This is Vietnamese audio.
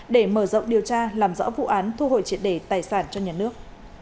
để mở rộng điều tra làm rõ vụ án thu hồi triệt đề tài sản cho nhà nước